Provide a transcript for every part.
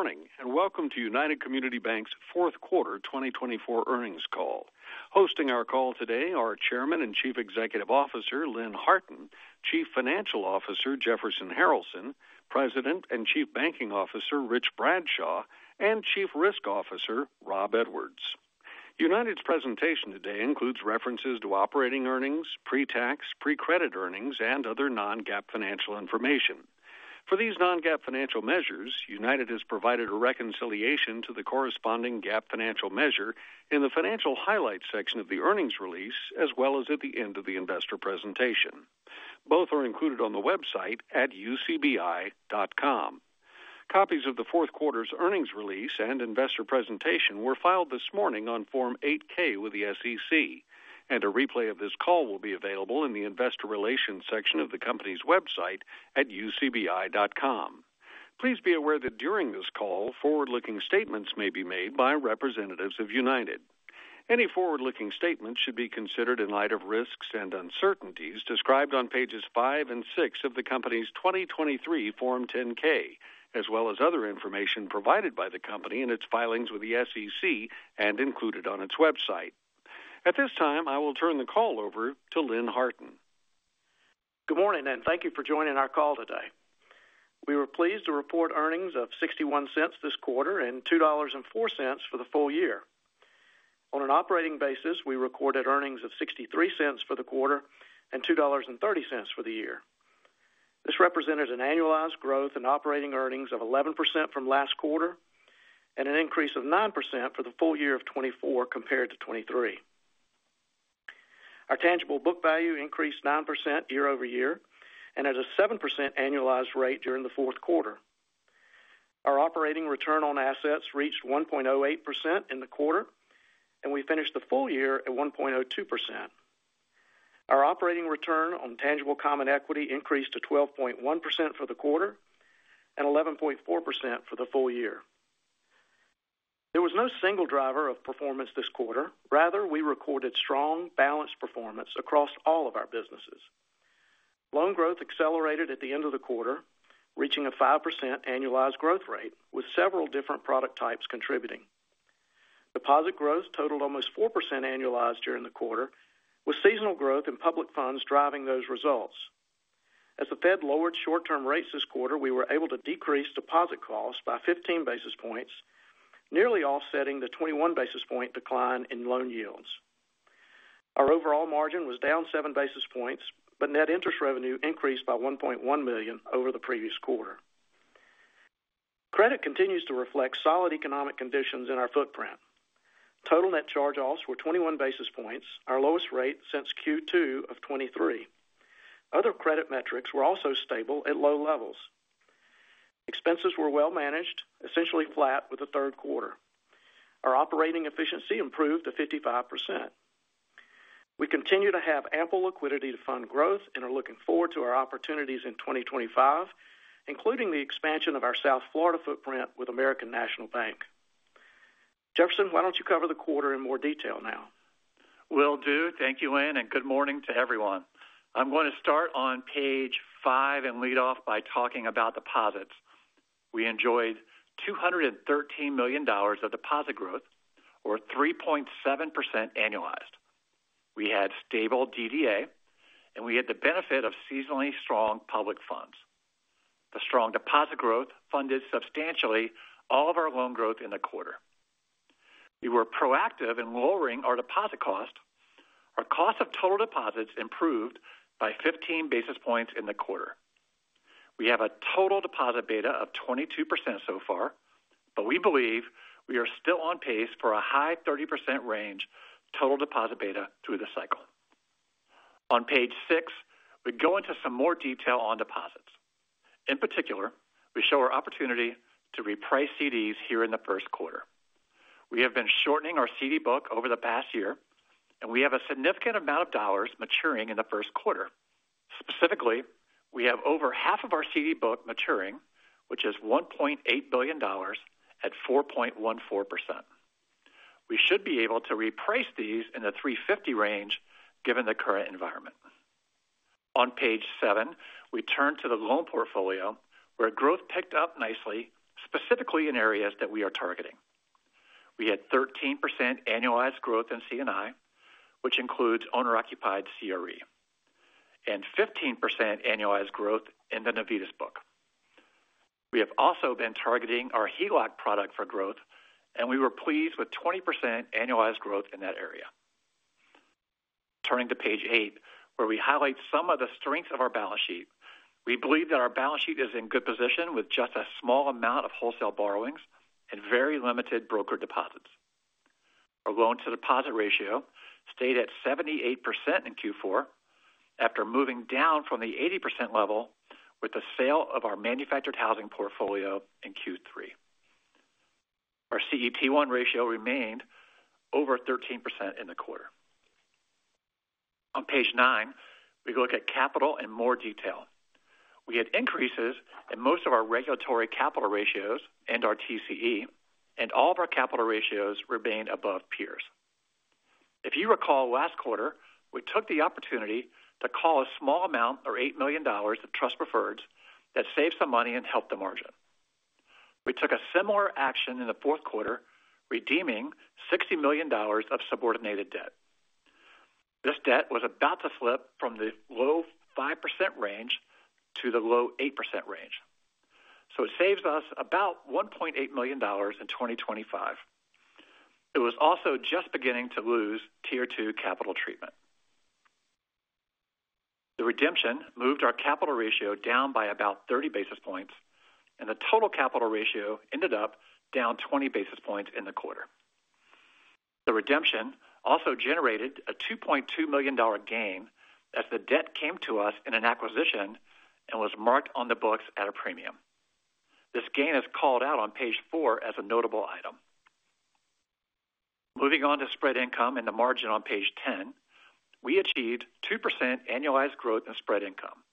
Good morning and welcome to United Community Banks' Fourth Quarter 2024 Earnings Call. Hosting our call today are Chairman and Chief Executive Officer Lynn Harton, Chief Financial Officer Jefferson Harralson, President and Chief Banking Officer Rich Bradshaw, and Chief Risk Officer Rob Edwards. United's presentation today includes references to operating earnings, pre-tax, pre-credit earnings, and other non-GAAP financial information. For these non-GAAP financial measures, United has provided a reconciliation to the corresponding GAAP financial measure in the financial highlights section of the earnings release, as well as at the end of the investor presentation. Both are included on the website at ucbi.com. Copies of the fourth quarter's earnings release and investor presentation were filed this morning on Form 8-K with the SEC, and a replay of this call will be available in the Investor Relations section of the company's website at ucbi.com. Please be aware that during this call, forward-looking statements may be made by representatives of United. Any forward-looking statements should be considered in light of risks and uncertainties described on pages five and six of the company's 2023 Form 10-K, as well as other information provided by the company in its filings with the SEC and included on its website. At this time, I will turn the call over to Lynn Harton. Good morning, and thank you for joining our call today. We were pleased to report earnings of $0.61 this quarter and $2.04 for the full year. On an operating basis, we recorded earnings of $0.63 for the quarter and $2.30 for the year. This represented an annualized growth in operating earnings of 11% from last quarter and an increase of 9% for the full year of 2024 compared to 2023. Our tangible book value increased 9% year-over-year and at a 7% annualized rate during the fourth quarter. Our operating return on assets reached 1.08% in the quarter, and we finished the full year at 1.02%. Our operating return on tangible common equity increased to 12.1% for the quarter and 11.4% for the full year. There was no single driver of performance this quarter. Rather, we recorded strong, balanced performance across all of our businesses. Loan growth accelerated at the end of the quarter, reaching a 5% annualized growth rate, with several different product types contributing. Deposit growth totaled almost 4% annualized during the quarter, with seasonal growth in public funds driving those results. As the Fed lowered short-term rates this quarter, we were able to decrease deposit costs by 15 basis points, nearly offsetting the 21 basis point decline in loan yields. Our overall margin was down 7 basis points, but net interest revenue increased by $1.1 million over the previous quarter. Credit continues to reflect solid economic conditions in our footprint. Total net charge-offs were 21 basis points, our lowest rate since Q2 of 2023. Other credit metrics were also stable at low levels. Expenses were well managed, essentially flat with the third quarter. Our operating efficiency improved to 55%. We continue to have ample liquidity to fund growth and are looking forward to our opportunities in 2025, including the expansion of our South Florida footprint with American National Bank. Jefferson, why don't you cover the quarter in more detail now? Will do. Thank you, Lynn, and good morning to everyone. I'm going to start on page five and lead off by talking about deposits. We enjoyed $213 million of deposit growth, or 3.7% annualized. We had stable DDA, and we had the benefit of seasonally strong public funds. The strong deposit growth funded substantially all of our loan growth in the quarter. We were proactive in lowering our deposit cost. Our cost of total deposits improved by 15 basis points in the quarter. We have a total deposit beta of 22% so far, but we believe we are still on pace for a high 30% range total deposit beta through the cycle. On page six, we go into some more detail on deposits. In particular, we show our opportunity to reprice CDs here in the first quarter. We have been shortening our CD book over the past year, and we have a significant amount of dollars maturing in the first quarter. Specifically, we have over half of our CD book maturing, which is $1.8 billion at 4.14%. We should be able to reprice these in the 350 range given the current environment. On page seven, we turn to the loan portfolio, where growth picked up nicely, specifically in areas that we are targeting. We had 13% annualized growth in C&I, which includes owner-occupied CRE, and 15% annualized growth in the Navitas book. We have also been targeting our HELOC product for growth, and we were pleased with 20% annualized growth in that area. Turning to page eight, where we highlight some of the strengths of our balance sheet, we believe that our balance sheet is in good position with just a small amount of wholesale borrowings and very limited broker deposits. Our loan-to-deposit ratio stayed at 78% in Q4 after moving down from the 80% level with the sale of our manufactured housing portfolio in Q3. Our CET1 ratio remained over 13% in the quarter. On page nine, we look at capital in more detail. We had increases in most of our regulatory capital ratios and our TCE, and all of our capital ratios remained above peers. If you recall last quarter, we took the opportunity to call a small amount, or $8 million, of trust preferreds that saved some money and helped the margin. We took a similar action in the fourth quarter, redeeming $60 million of subordinated debt. This debt was about to slip from the low 5% range to the low 8% range, so it saves us about $1.8 million in 2025. It was also just beginning to lose Tier 2 capital treatment. The redemption moved our capital ratio down by about 30 basis points, and the total capital ratio ended up down 20 basis points in the quarter. The redemption also generated a $2.2 million gain as the debt came to us in an acquisition and was marked on the books at a premium. This gain is called out on page four as a notable item. Moving on to spread income and the margin on page 10, we achieved 2% annualized growth in spread income.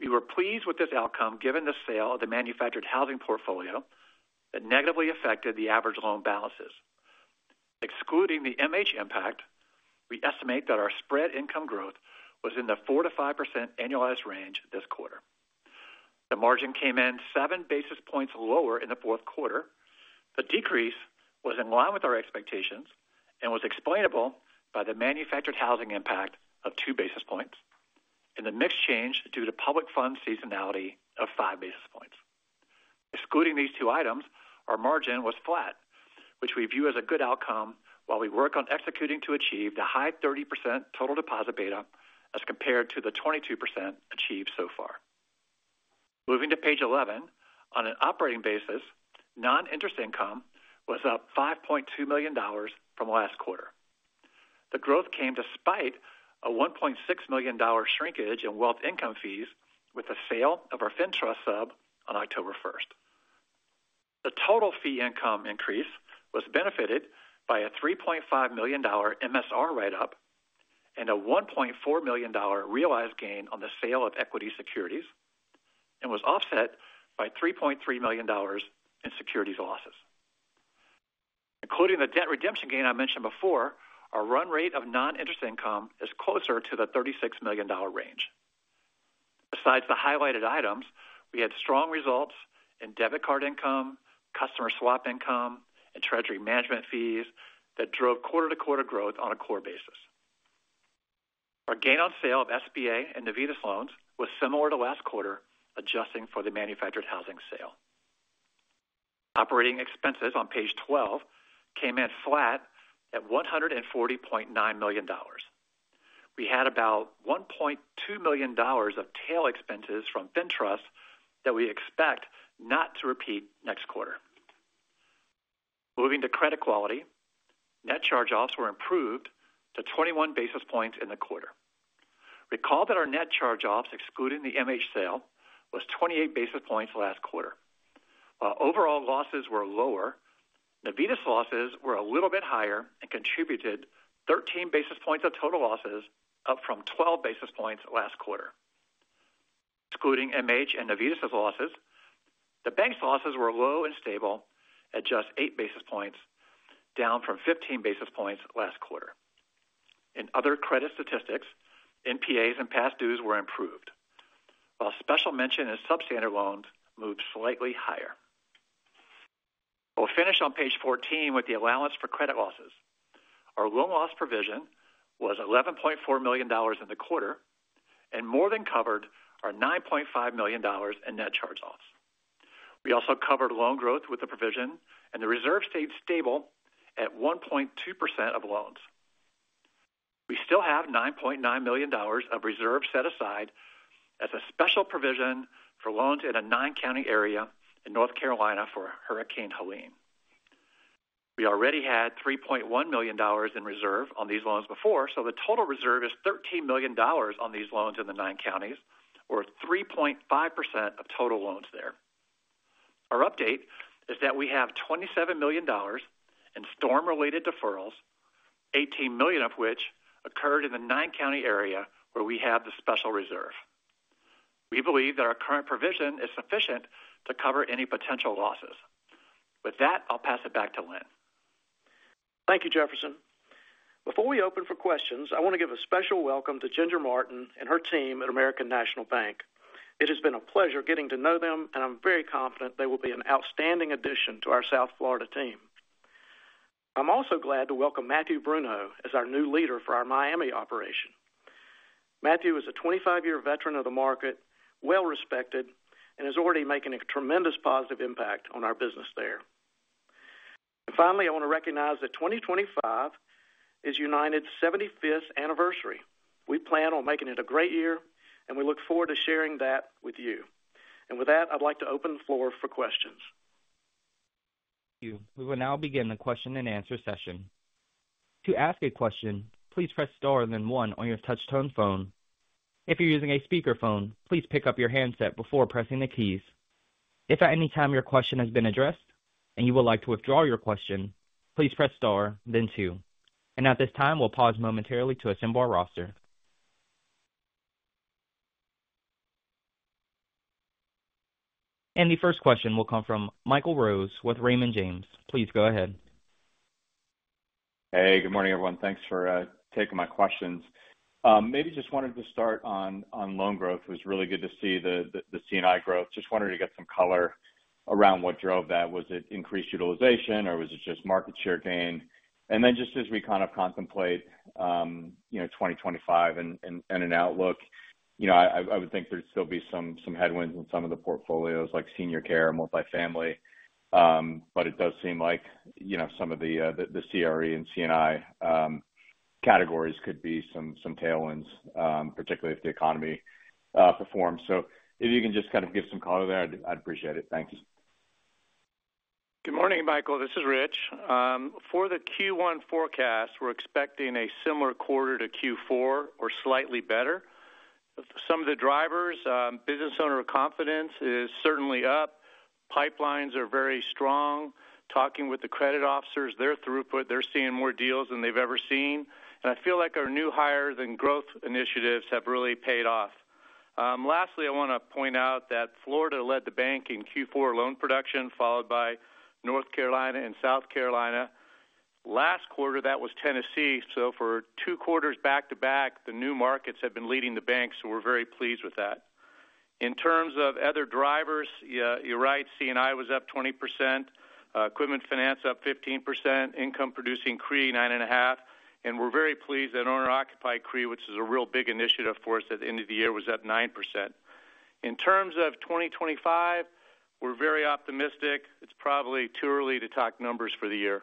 We were pleased with this outcome given the sale of the manufactured housing portfolio that negatively affected the average loan balances. Excluding the MH impact, we estimate that our spread income growth was in the 4% to 5% annualized range this quarter. The margin came in seven basis points lower in the fourth quarter. The decrease was in line with our expectations and was explainable by the manufactured housing impact of two basis points and the mixed change due to public funds seasonality of five basis points. Excluding these two items, our margin was flat, which we view as a good outcome while we work on executing to achieve the high 30% total deposit beta as compared to the 22% achieved so far. Moving to page 11, on an operating basis, non-interest income was up $5.2 million from last quarter. The growth came despite a $1.6 million shrinkage in wealth income fees with the sale of our FinTrust sub on October 1st. The total fee income increase was benefited by a $3.5 million MSR write-up and a $1.4 million realized gain on the sale of equity securities and was offset by $3.3 million in securities losses. Including the debt redemption gain I mentioned before, our run rate of non-interest income is closer to the $36 million range. Besides the highlighted items, we had strong results in debit card income, customer swap income, and treasury management fees that drove quarter-to-quarter growth on a core basis. Our gain on sale of SBA and Navitas loans was similar to last quarter, adjusting for the manufactured housing sale. Operating expenses on page 12 came in flat at $140.9 million. We had about $1.2 million of tail expenses from FinTrust that we expect not to repeat next quarter. Moving to credit quality, net charge-offs were improved to 21 basis points in the quarter. Recall that our net charge-offs, excluding the MH sale, was 28 basis points last quarter. While overall losses were lower, Navitas losses were a little bit higher and contributed 13 basis points of total losses, up from 12 basis points last quarter. Excluding MH and Navitas losses, the bank's losses were low and stable at just 8 basis points, down from 15 basis points last quarter. In other credit statistics, NPAs and past dues were improved, while Special Mention and Substandard loans moved slightly higher. We'll finish on page 14 with the allowance for credit losses. Our loan loss provision was $11.4 million in the quarter and more than covered our $9.5 million in net charge-offs. We also covered loan growth with the provision, and the reserve stayed stable at 1.2% of loans. We still have $9.9 million of reserve set aside as a special provision for loans in a nine-county area in North Carolina for Hurricane Helene. We already had $3.1 million in reserve on these loans before, so the total reserve is $13 million on these loans in the nine counties, or 3.5% of total loans there. Our update is that we have $27 million in storm-related deferrals, $18 million of which occurred in the nine-county area where we have the special reserve. We believe that our current provision is sufficient to cover any potential losses. With that, I'll pass it back to Lynn. Thank you, Jefferson. Before we open for questions, I want to give a special welcome to Ginger Martin and her team at American National Bank. It has been a pleasure getting to know them, and I'm very confident they will be an outstanding addition to our South Florida team. I'm also glad to welcome Matthew Bruno as our new leader for our Miami operation. Matthew is a 25-year veteran of the market, well-respected, and is already making a tremendous positive impact on our business there. And finally, I want to recognize that 2025 is United's 75th anniversary. We plan on making it a great year, and we look forward to sharing that with you. And with that, I'd like to open the floor for questions. Thank you. We will now begin the question-and-answer session. To ask a question, please press star then one on your touch-tone phone. If you're using a speakerphone, please pick up your handset before pressing the keys. If at any time your question has been addressed and you would like to withdraw your question, please press star, then two. And at this time, we'll pause momentarily to assemble our roster. And the first question will come from Michael Rose with Raymond James. Please go ahead. Hey, good morning, everyone. Thanks for taking my questions. Maybe just wanted to start on loan growth. It was really good to see the C&I growth. Just wanted to get some color around what drove that. Was it increased utilization, or was it just market share gain? And then just as we kind of contemplate 2025 and an outlook, I would think there'd still be some headwinds in some of the portfolios, like senior care and multifamily. But it does seem like some of the CRE and C&I categories could be some tailwinds, particularly if the economy performs. So if you can just kind of give some color there, I'd appreciate it. Thanks. Good morning, Michael. This is Rich. For the Q1 forecast, we're expecting a similar quarter to Q4 or slightly better. Some of the drivers, business owner confidence is certainly up. Pipelines are very strong. Talking with the credit officers, they're throughput. They're seeing more deals than they've ever seen. And I feel like our new high-growth initiatives have really paid off. Lastly, I want to point out that Florida led the bank in Q4 loan production, followed by North Carolina and South Carolina. Last quarter, that was Tennessee. So for two quarters back to back, the new markets have been leading the bank, so we're very pleased with that. In terms of other drivers, you're right, C&I was up 20%, equipment finance up 15%, income-producing CRE 9.5%. We're very pleased that owner-occupied CRE, which is a real big initiative for us at the end of the year, was up 9%. In terms of 2025, we're very optimistic. It's probably too early to talk numbers for the year.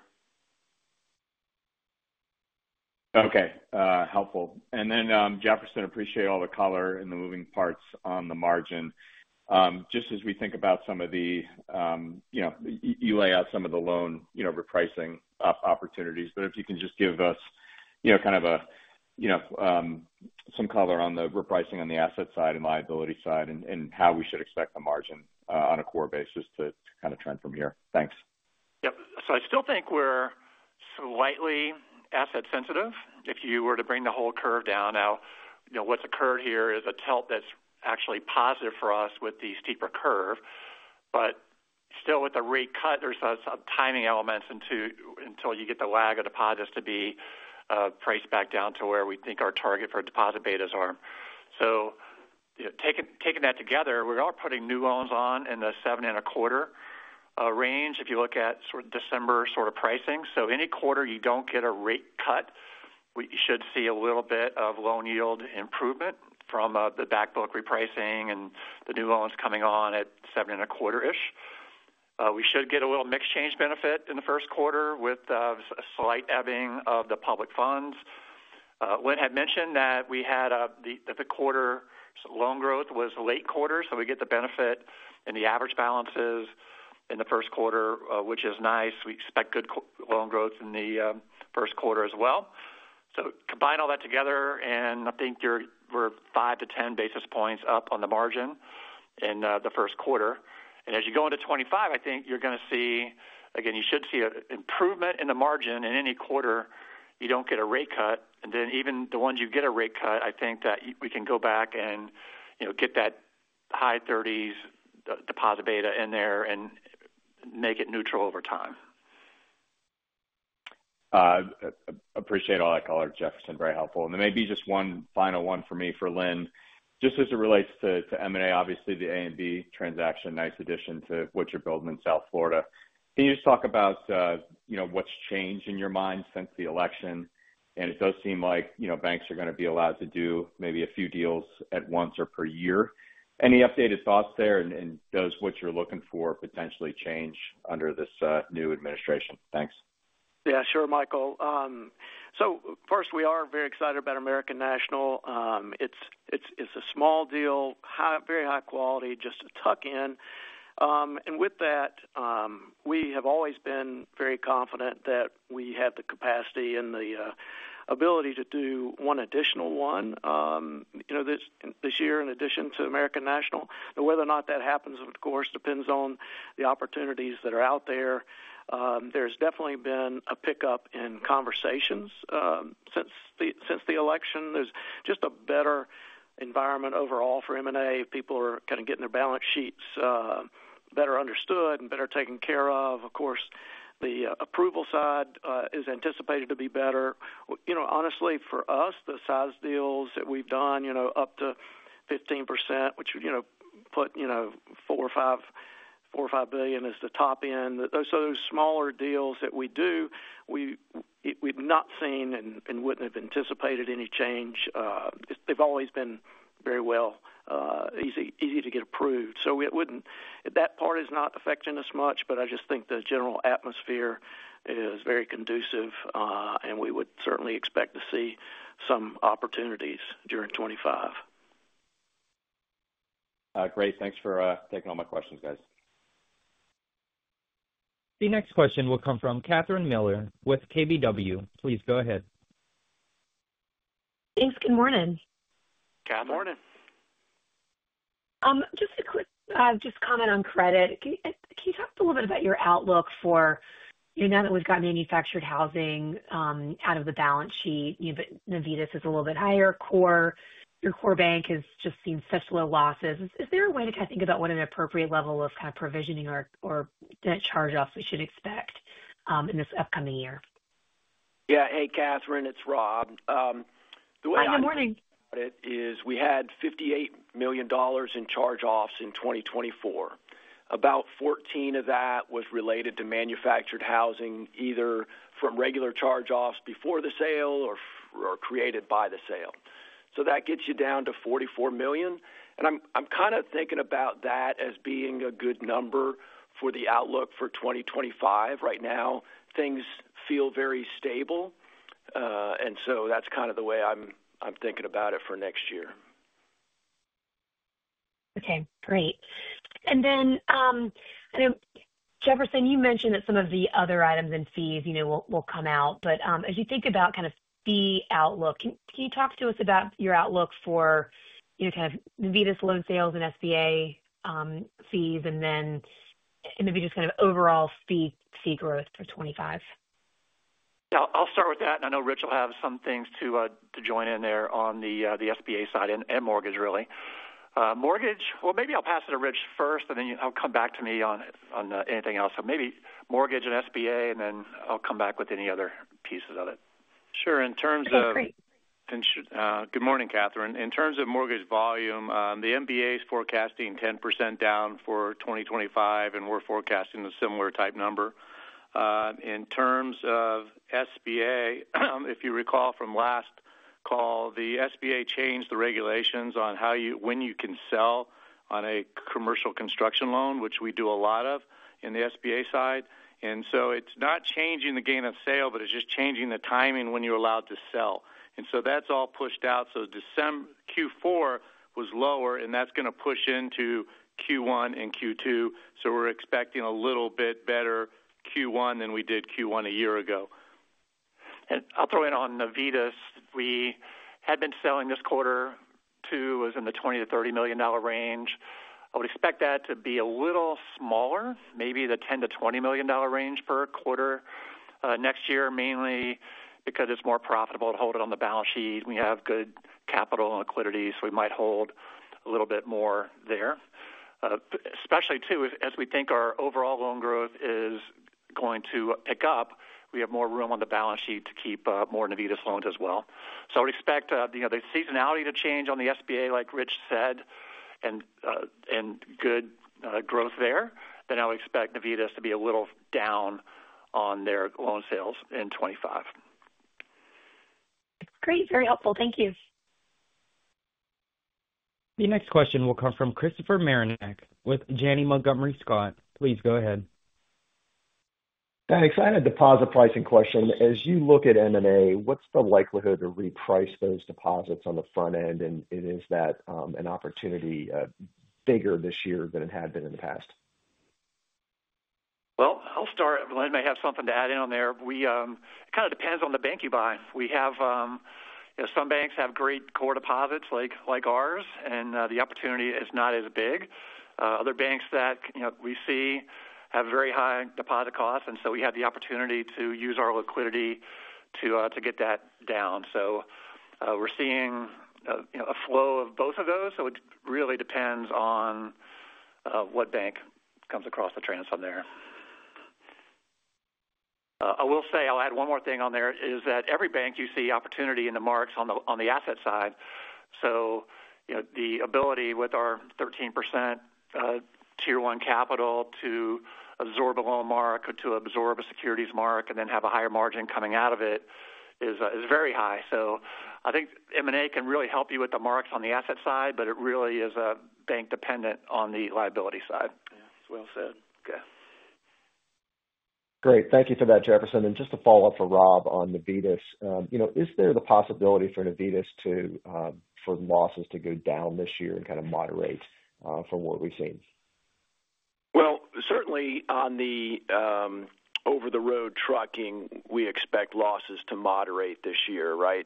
Okay. Helpful. And then, Jefferson, appreciate all the color in the moving parts on the margin. Just as we think about some of the, you lay out some of the loan repricing opportunities, but if you can just give us kind of some color on the repricing on the asset side and liability side and how we should expect the margin on a core basis to kind of trend from here. Thanks. Yep. So I still think we're slightly asset-sensitive if you were to bring the whole curve down. Now, what's occurred here is a tilt that's actually positive for us with the steeper curve. But still, with the rate cut, there's some timing elements until you get the WAC of deposits to be priced back down to where we think our target for deposit betas are. So taking that together, we are putting new loans on in the 7.25 range if you look at sort of December sort of pricing. So any quarter you don't get a rate cut, we should see a little bit of loan yield improvement from the backbook repricing and the new loans coming on at 7.25-ish. We should get a little mixed change benefit in the first quarter with a slight ebbing of the public funds. Lynn had mentioned that we had the quarter loan growth was late in the quarter, so we get the benefit in the average balances in the first quarter, which is nice. We expect good loan growth in the first quarter as well. So combine all that together, and I think we're 5-10 basis points up on the margin in the first quarter. And as you go into 2025, I think you're going to see, again, you should see an improvement in the margin in any quarter you don't get a rate cut. And then even the ones you get a rate cut, I think that we can go back and get that high 30s deposit beta in there and make it neutral over time. Appreciate all that color, Jefferson. Very helpful. And then maybe just one final one for me, for Lynn. Just as it relates to M&A, obviously the ANB transaction, nice addition to what you're building in South Florida. Can you just talk about what's changed in your mind since the election? And it does seem like banks are going to be allowed to do maybe a few deals at once or per year. Any updated thoughts there? And does what you're looking for potentially change under this new administration? Thanks. Yeah, sure, Michael. So first, we are very excited about American National. It's a small deal, very high quality, just a tuck-in. And with that, we have always been very confident that we have the capacity and the ability to do one additional one this year in addition to American National. Now, whether or not that happens, of course, depends on the opportunities that are out there. There's definitely been a pickup in conversations since the election. There's just a better environment overall for M&A. People are kind of getting their balance sheets better understood and better taken care of. Of course, the approval side is anticipated to be better. Honestly, for us, the size deals that we've done up to 15%, which put $4 billion-$5 billion as the top end. So those smaller deals that we do, we've not seen and wouldn't have anticipated any change. They've always been very well easy to get approved, so that part is not affecting us much, but I just think the general atmosphere is very conducive, and we would certainly expect to see some opportunities during 2025. Great. Thanks for taking all my questions, guys. The next question will come from Catherine Mealor with KBW. Please go ahead. Thanks. Good morning. Good morning. Just a quick comment on credit. Can you talk a little bit about your outlook for now that we've got manufactured housing out of the balance sheet? Navitas is a little bit higher. Your core bank has just seen such low losses. Is there a way to kind of think about what an appropriate level of kind of provisioning or net charge-offs we should expect in this upcoming year? Yeah. Hey, Catherine. It's Rob. The way I think about it is we had $58 million in charge-offs in 2024. About 14 of that was related to manufactured housing, either from regular charge-offs before the sale or created by the sale. So that gets you down to $44 million. And I'm kind of thinking about that as being a good number for the outlook for 2025. Right now, things feel very stable. And so that's kind of the way I'm thinking about it for next year. Okay. Great. And then, Jefferson, you mentioned that some of the other items and fees will come out. But as you think about kind of fee outlook, can you talk to us about your outlook for kind of Navitas loan sales and SBA fees, and then maybe just kind of overall fee growth for 2025? Yeah. I'll start with that. And I know Rich will have some things to join in there on the SBA side and mortgage, really. Mortgage, well, maybe I'll pass it to Rich first, and then he'll come back to me on anything else. So maybe mortgage and SBA, and then I'll come back with any other pieces of it. Sure. In terms of. That's great. Good morning, Catherine. In terms of mortgage volume, the MBA is forecasting 10% down for 2025, and we're forecasting a similar type number. In terms of SBA, if you recall from last call, the SBA changed the regulations on when you can sell on a commercial construction loan, which we do a lot of on the SBA side. And so it's not changing the gain on sale, but it's just changing the timing when you're allowed to sell. And so that's all pushed out. So Q4 was lower, and that's going to push into Q1 and Q2. So we're expecting a little bit better Q1 than we did Q1 a year ago. And I'll throw in on Navitas. We had been selling this quarter too, was in the $20 million-$30 million range. I would expect that to be a little smaller, maybe the $10 million-$20 million range per quarter next year, mainly because it's more profitable to hold it on the balance sheet. We have good capital and liquidity, so we might hold a little bit more there. Especially too, as we think our overall loan growth is going to pick up, we have more room on the balance sheet to keep more Navitas loans as well. So I would expect the seasonality to change on the SBA, like Rich said, and good growth there. Then I would expect Navitas to be a little down on their loan sales in 2025. That's great. Very helpful. Thank you. The next question will come from Christopher Marinac with Janney Montgomery Scott. Please go ahead. Yeah. Excited deposit pricing question. As you look at M&A, what's the likelihood to reprice those deposits on the front end? And is that an opportunity bigger this year than it had been in the past? Well, I'll start. Lynn may have something to add in on there. It kind of depends on the bank you buy. Some banks have great core deposits like ours, and the opportunity is not as big. Other banks that we see have very high deposit costs, and so we have the opportunity to use our liquidity to get that down. So we're seeing a flow of both of those. So it really depends on what bank comes across the transom. I will say I'll add one more thing on there is that every bank you see opportunity in the marks on the asset side. So the ability with our 13% Tier 1 capital to absorb a loan mark, to absorb a securities mark, and then have a higher margin coming out of it is very high. So I think M&A can really help you with the marks on the asset side, but it really is bank-dependent on the liability side. Yeah. It's well said. Okay. Great. Thank you for that, Jefferson. And just a follow-up for Rob on Navitas. Is there the possibility for Navitas for losses to go down this year and kind of moderate from what we've seen? Certainly on the over-the-road trucking, we expect losses to moderate this year, right?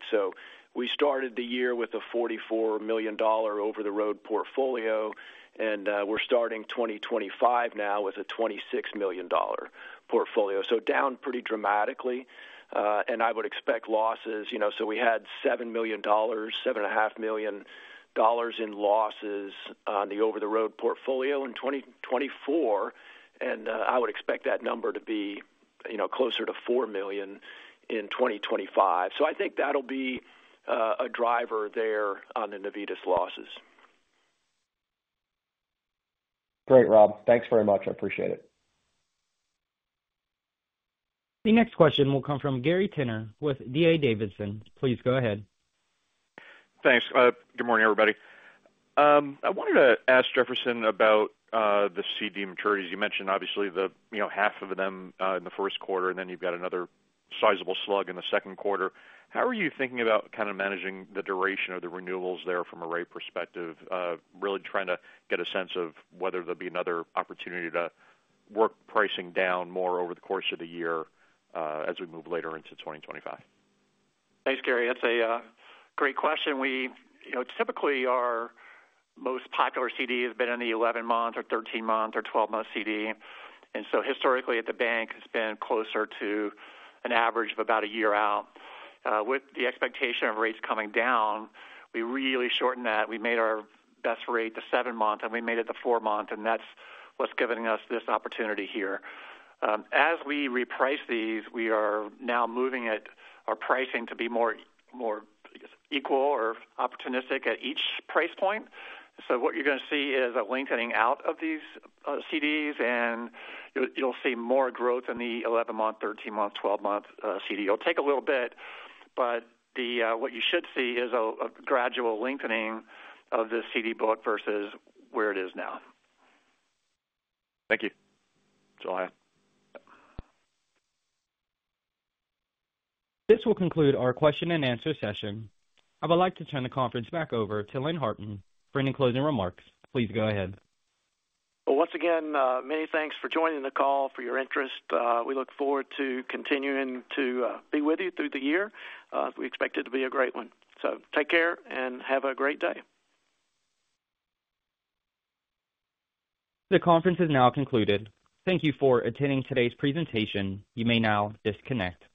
We started the year with a $44 million over-the-road portfolio, and we're starting 2025 now with a $26 million portfolio. Down pretty dramatically. I would expect losses. We had $7 million, $7.5 million in losses on the over-the-road portfolio in 2024. I would expect that number to be closer to $4 million in 2025. I think that'll be a driver there on the Navitas losses. Great, Rob. Thanks very much. I appreciate it. The next question will come from Gary Tenner with D.A. Davidson. Please go ahead. Thanks. Good morning, everybody. I wanted to ask Jefferson about the CD maturities. You mentioned, obviously, half of them in the first quarter, and then you've got another sizable slug in the second quarter. How are you thinking about kind of managing the duration of the renewals there from a rate perspective, really trying to get a sense of whether there'll be another opportunity to work pricing down more over the course of the year as we move later into 2025? Thanks, Gary. That's a great question. Typically, our most popular CD has been in the 11-month or 13-month or 12-month CD, and so historically, at the bank, it's been closer to an average of about a year out. With the expectation of rates coming down, we really shortened that. We made our best rate to seven months, and we made it to four months, and that's what's giving us this opportunity here. As we reprice these, we are now moving our pricing to be more equal or opportunistic at each price point, so what you're going to see is a lengthening out of these CDs, and you'll see more growth in the 11-month, 13-month, 12-month CD. It'll take a little bit, but what you should see is a gradual lengthening of the CD book versus where it is now. Thank you. That's all I have. This will conclude our question-and-answer session. I would like to turn the conference back over to Lynn Harton for any closing remarks. Please go ahead. Once again, many thanks for joining the call, for your interest. We look forward to continuing to be with you through the year. We expect it to be a great one. Take care and have a great day. The conference is now concluded. Thank you for attending today's presentation. You may now disconnect.